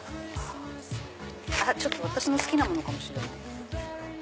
私の好きなものかもしれない。